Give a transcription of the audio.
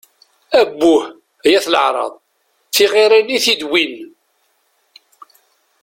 Abbuh, ay at leεṛaḍ! Tiɣirin i t-id-wwin!